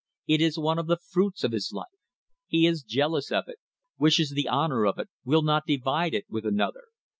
It is one of the fruits of his life. He is jealous of it — wishes the honour of it, will not divide it with another.